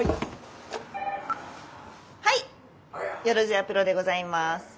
☎はいよろずやプロでございます。